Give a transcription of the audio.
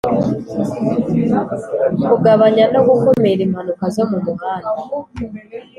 kugabanya no gukumira impanuka zo mu muhanda